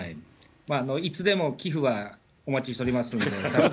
いつでも寄付はお待ちしておりますので。